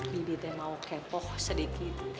bebi teh mau kepo sedikit